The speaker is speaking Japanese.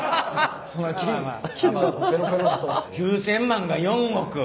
９，０００万が４億。